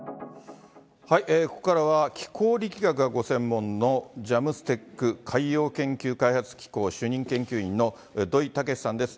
ここからは気候力学がご専門の、ＪＡＭＳＴＥＣ・海洋研究開発機構主任研究員の土井威志さんです。